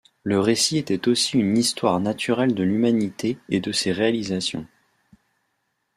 Le récit était aussi une histoire naturelle de l'humanité et de ses réalisations.